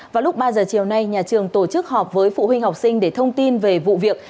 vào lúc ba giờ chiều nay nhà trường tổ chức họp với phụ huynh học sinh để thông tin về vụ việc